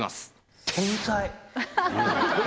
天才！